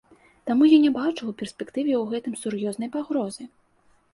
Таму я не бачу ў перспектыве ў гэтым сур'ёзнай пагрозы.